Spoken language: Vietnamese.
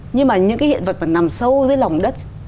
nhưng mà những cái hiện vật mà nằm sâu dưới lòng đất